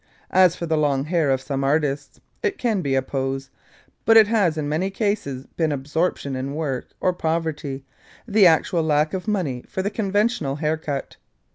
As for the long hair of some artists, it can be a pose, but it has in many cases been absorption in work, or poverty the actual lack of money for the conventional haircut.